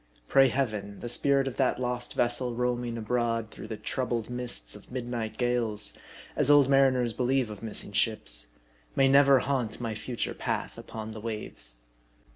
Pray Heaven, the spirit of that lost vessel roaming abroad through the troubled mists of midnight gales as old mar iners believe of missing ships may never haunt my future path upon the waves.